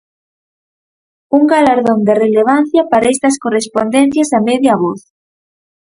Un galardón de relevancia para estas correspondencias a media voz.